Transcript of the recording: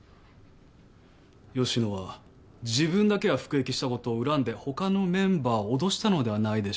吉野は自分だけが服役したことを恨んで他のメンバーを脅したのではないでしょうか？